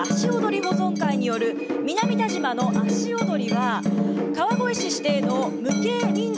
保存会による南田島の足踊りは川越市指定の無形民俗